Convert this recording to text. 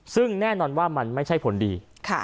ซึ่งแน่นอนว่ามันไม่ใช่ผลดี